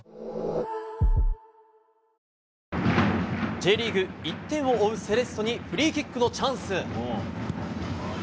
Ｊリーグ１点を追うセレッソにフリーキックのチャンス。